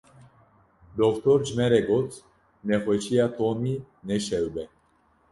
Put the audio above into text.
Doktor ji me re got nexweşiya Tomî ne şewb e.